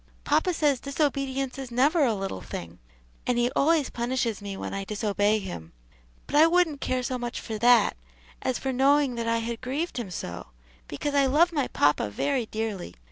"Papa says disobedience is never a little thing, and he always punishes me when I disobey him; but I wouldn't care so much for that, as for knowing that I had grieved him so; because I love my papa very dearly.